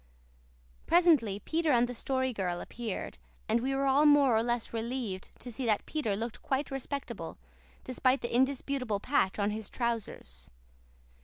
Presently Peter and the Story Girl appeared, and we were all more or less relieved to see that Peter looked quite respectable, despite the indisputable patch on his trousers.